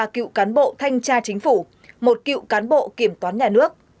ba cựu cán bộ thanh tra chính phủ một cựu cán bộ kiểm toán nhà nước